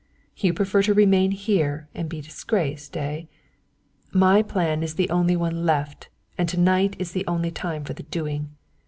"So you prefer to remain here and be disgraced, eh? My plan is the only one left and to night is the only time for the doing.